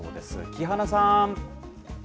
木花さん。